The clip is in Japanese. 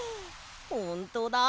ほんとだ。